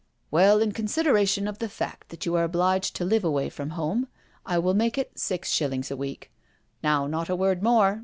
" Well, in consideration of the fact that you are obliged to live away from home, I will make it six shillings a week. Now, not a word more."